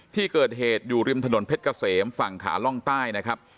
ที่เกิดเหตุอยู่ริมถนนเพชรเกษมฝั่งขาล่องใต้นะครับ